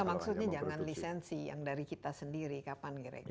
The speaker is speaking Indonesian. maksudnya jangan lisensi yang dari kita sendiri kapan kira kira